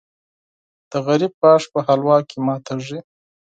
د غریب غاښ په حلوا کې ماتېږي .